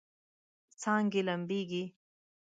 څانګې لمبیږي